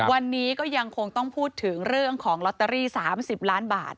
วันนี้ก็ยังคงต้องพูดถึงเรื่องของลอตเตอรี่๓๐ล้านบาท